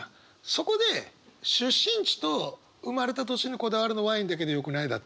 そこで「出身地と生まれた年にこだわるのワインだけでよくない？」だったのよ。